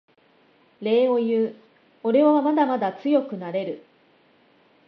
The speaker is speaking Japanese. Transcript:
礼を言うおれはまだまだ強くなれる